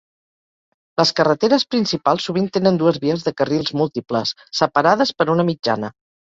Les carreteres principals sovint tenen dues vies de carrils múltiples separades per una mitjana.